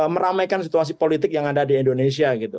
meramaikan situasi politik yang ada di indonesia gitu